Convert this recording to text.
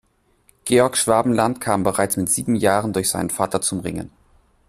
Georg Schwabenland kam bereits mit sieben Jahren durch seinen Vater zum Ringen.